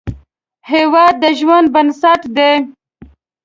هیواد د ژوند بنسټ دی